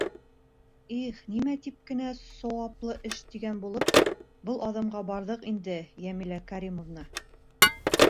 — Их, нимә тип кенә, сауаплы эш, тигән булып, был аҙымға барҙыҡ инде, Йәмилә Кәримовна?